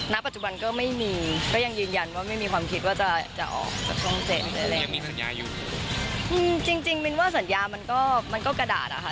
นักปัจจุบันก็ไม่มีก็ยังยืนยันว่าไม่มีความคิดว่าจะออกช่องเจ็ดอะไรนะ